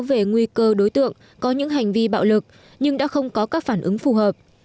về nguy cơ đối tượng có những hành vi bạo lực nhưng đã không có các phản ứng phù hợp